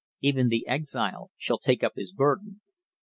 Even the exile shall take up his burden."